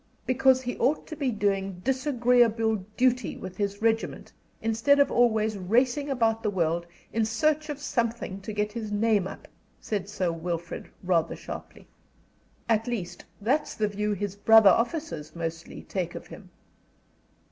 "Because he ought to be doing disagreeable duty with his regiment instead of always racing about the world in search of something to get his name up," said Sir Wilfrid, rather sharply. "At least, that's the view his brother officers mostly take of him."